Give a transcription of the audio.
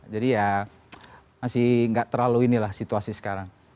jadi ya masih gak terlalu inilah situasi sekarang